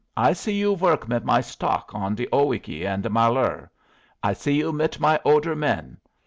I see you work mit my stock on the Owyhee and the Malheur; I see you mit my oder men.